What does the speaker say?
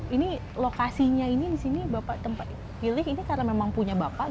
ini lokasinya ini di sini bapak tempat pilih ini karena memang punya bapak